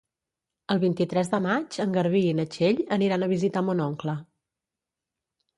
El vint-i-tres de maig en Garbí i na Txell aniran a visitar mon oncle.